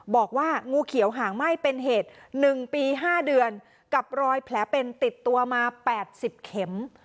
บอกว่างูเขียวหางไหม้เป็นเหตุ๑ปี๕เดือนกับรอยแผลเป็นติดตัวมา๘๐เข็ม